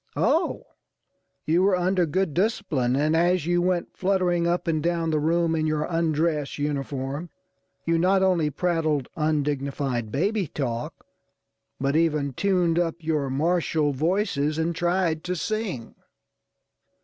Oh! you were under good discipline, and as you went fluttering up and down the room in your undress uniform, you not only prattled undignified baby talk, but even tuned up your martial voices and tried to sing!